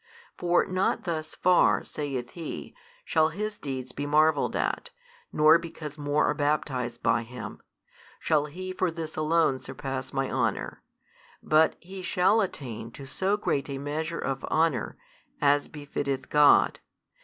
For not thus far, saith he, shall His Deeds be marvelled at, nor because more are baptized by Him, shall He for this alone surpass my honour, but He |183 shall attain to so great a measure of honour, as befitteth God.